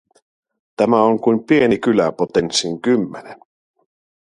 Tämä on kuin pieni kylä potenssiin kymmenen.